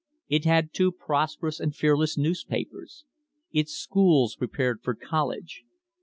It had two prosper ous and fearless newspapers. Its schools prepared for college.